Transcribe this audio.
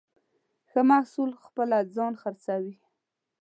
ښه محصول خپله ځان خرڅوي.